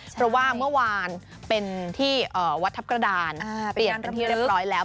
เพราะว่าเมื่อวานเป็นที่วัดทัพกระดานเปลี่ยนเป็นที่เรียบร้อยแล้ว